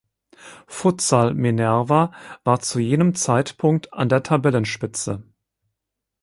Futsal Minerva war zu jenem Zeitpunkt an der Tabellenspitze.